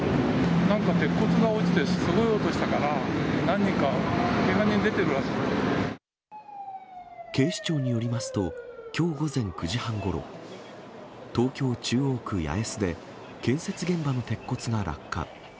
なんか鉄骨が落ちて、すごい音したから、警視庁によりますと、きょう午前９時半ごろ、東京・中央区八重洲で建設現場の鉄骨が落下。